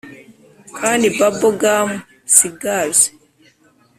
kandi bubble gum cigars.